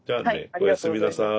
おやすみなさい。